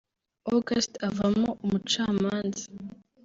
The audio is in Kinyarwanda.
Augustin avamo umucamanza